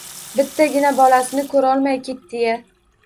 Bittagina bolasini ko‘rolmay ketdi-ya!